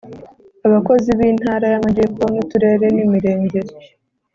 Abakozi b intara y Amajyepfo n Uturere n Imirenge